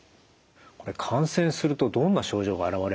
これ感染するとどんな症状が現れるんですか？